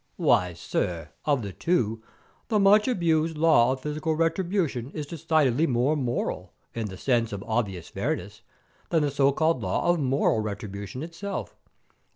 Why, sir, of the two, the much abused law of physical retribution is decidedly more moral, in the sense of obvious fairness, than the so called law of moral retribution itself.